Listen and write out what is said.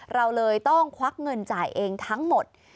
เราเลยต้องควักเงินจ่ายเองทั้งหมด